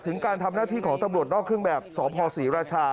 การทำหน้าที่ของตำรวจนอกเครื่องแบบสพศรีราชา